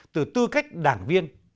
từ tư cách đảng viên